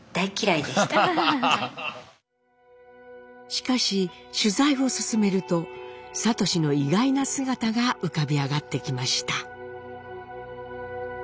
しかし取材を進めると智の意外な姿が浮かび上がってきました。